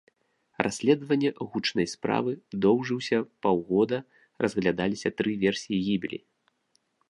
Расследаванне гучнай справы доўжыўся паўгода, разглядаліся тры версіі гібелі.